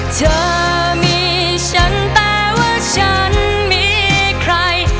เธอมีฉันแปลว่าฉันมีใคร